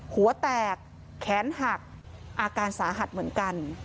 หัวแตกแขนหักอาการสาหัสเหมือนกัน